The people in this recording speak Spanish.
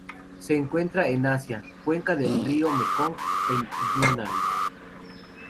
Se encuentran en Asia: cuenca del río Mekong en Yunnan.